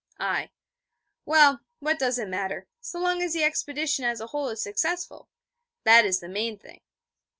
I: 'Well, what does it matter, so long as the expedition as a whole is successful? That is the main thing.'